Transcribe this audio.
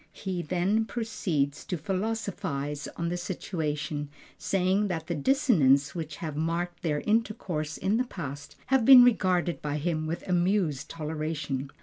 He then proceeds to philosophize on the situation, saying that the dissonances which have marked their intercourse in the past have been regarded by him with amused toleration.